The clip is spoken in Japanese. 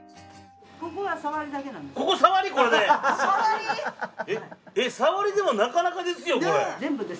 さわり⁉さわりでもなかなかですよこれ。